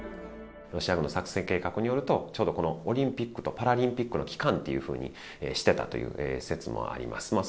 ロシア軍の作戦計画によると、ちょうどこのオリンピックとパラリンピックの期間っていうふうにしてたという説もあります。